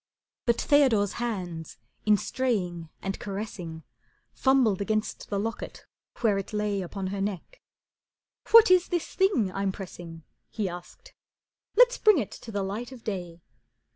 But Theodore's hands in straying and caressing Fumbled against the locket where it lay Upon her neck. "What is this thing I'm pressing?" He asked. "Let's bring it to the light of day."